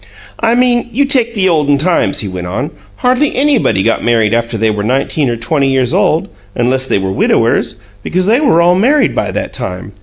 "I mean, you take the olden times," he went on; "hardly anybody got married after they were nineteen or twenty years old, unless they were widowers, because they were all married by that time.